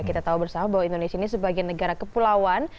kita tahu bersama bahwa indonesia ini sebagai negara kepulauan